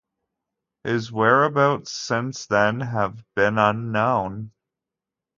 His whereabouts since then have been unknown.